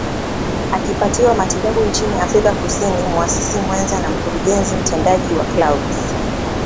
akipatiwa matibabu nchini Afrika Kusini Muasisi mwenza na Mkurugenzi mtendaji wa Clouds